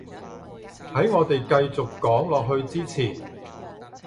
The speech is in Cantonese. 喺我哋繼續講落去之前